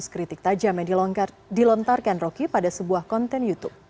kritik tajam yang dilontarkan roky pada sebuah konten youtube